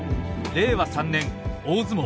令和３年大相撲。